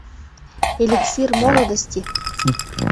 Эликсир молодости!